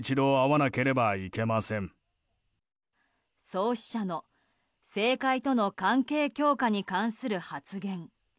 創始者の、政界との関係強化に関する発言。